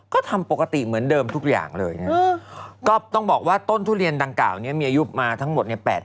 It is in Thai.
ก็ทำปกติเหมือนเดิมทุกอย่างเลยนะก็ต้องบอกว่าต้นทุเรียนดังกล่าวนี้มีอายุมาทั้งหมดเนี่ย